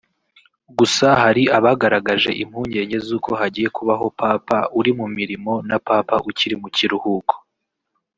Gusa hari abagaragaje impungenge z’uko hagiye kubaho Papa uri mu mirimo na Papa uri mu kiruhuko